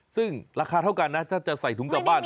ซึ่งราคาเท่ากันนะถ้าจะใส่ถุงกลับบ้าน